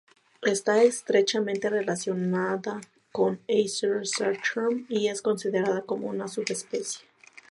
Está estrechamente relacionada con "Acer saccharum", y es considerada como una subespecie.